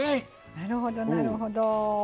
なるほどなるほど。